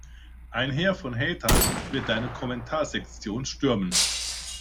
Ein Heer von Hatern wird deine Kommentarsektion stürmen.